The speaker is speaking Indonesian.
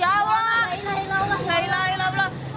ya allah ya allah ya allah